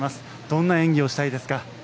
どんな演技をしたいですか？